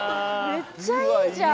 めっちゃいいじゃん。